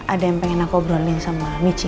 ada yang pengen aku obrolin sama miki